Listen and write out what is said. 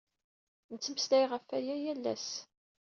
Nettemmeslay ɣef waya yal ass.